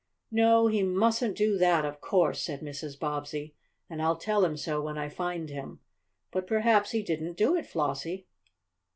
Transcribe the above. '" "No, he mustn't do that, of course," said Mrs. Bobbsey. "And I'll tell him so when I find him. But perhaps he didn't do it, Flossie."